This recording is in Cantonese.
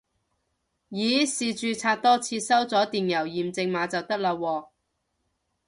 咦試註冊多次收咗電郵驗證碼就得喇喎